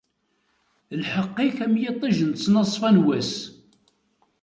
Lḥeqq-ik am yiṭij n ttnaṣfa n wass.